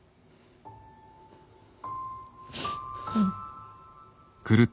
うん。